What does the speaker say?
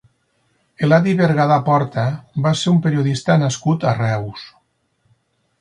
Eladi Bergadà Porta va ser un periodista nascut a Reus.